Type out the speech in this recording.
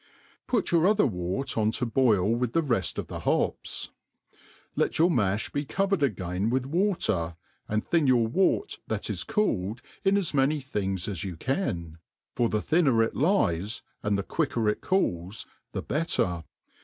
Put your other wort onto boil with the reft of the hops; let your math be covered again with water, and thin your wort that i& cooled in as many things as you can; for the thinner it lies,: and the quicker it coob, the better.